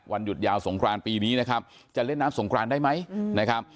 หยุดยาวสงครานปีนี้นะครับจะเล่นน้ำสงครานได้ไหมนะครับ